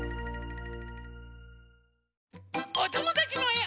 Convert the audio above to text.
おともだちのえを。